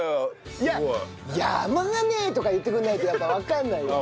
いや「山根！」とか言ってくれないとやっぱわかんないよ。